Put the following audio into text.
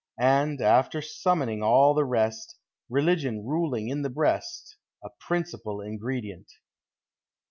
And, after summoning all the rest, (Religion ruling in the breast A principal ingredient.